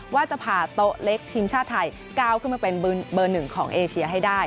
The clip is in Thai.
ว่าจะพาโต๊ะเล็กทีมชาติไทยก้าวขึ้นมาเป็นเบอร์หนึ่งของเอเชียให้ได้